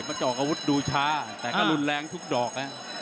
จะออกอาวุธดูช้าแต่ก็รุนแรงทุกดอกนะ